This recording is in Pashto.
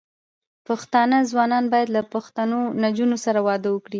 پښتانه ځوانان بايد له پښتنو نجونو سره واده وکړي.